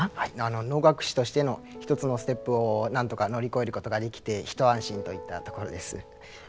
能楽師としての一つのステップをなんとか乗り越えることができて一安心といったところです。